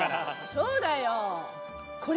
そうだよ。